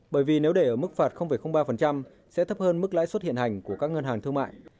bởi vì nếu để ở mức phạt ba sẽ thấp hơn mức lãi suất hiện hành của các ngân hàng thương mại